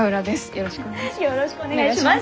よろしくお願いします。